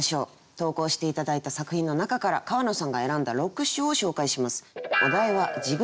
投稿して頂いた作品の中から川野さんが選んだ６首を紹介します。